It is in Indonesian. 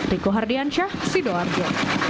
riko hardiansyah sido arjo